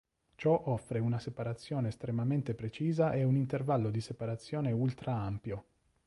Ciò offre una separazione estremamente precisa e un intervallo di separazione "ultra ampio".